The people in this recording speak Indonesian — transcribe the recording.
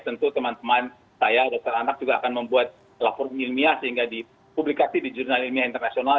tentu teman teman saya dokter anak juga akan membuat platform ilmiah sehingga dipublikasi di jurnal ilmiah internasional